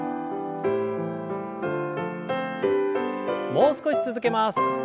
もう少し続けます。